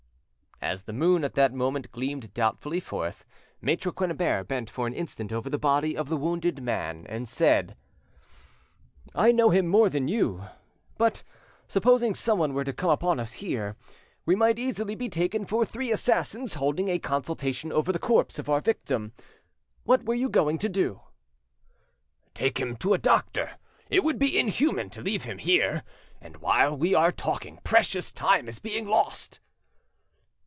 As the moon at that moment gleamed doubtfully forth, Maitre Quennebert bent for an instant over the body of the wounded man, and said: "I know him more than you. But supposing someone were to come upon us here, we might easily be taken for three assassins holding a consultation over the corpse of our victim. What were you going to do?" "Take him to a doctor. It would be inhuman to leave him here, and while we are talking precious time is being lost."